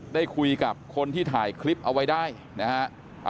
ได้คุยกับคนที่ถ่ายคลิปเอาไว้ได้นะฮะ